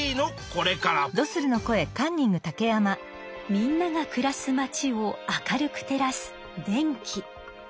みんながくらす町を明るく照らす電気。